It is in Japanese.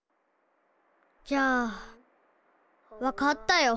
じゃあわかったよ。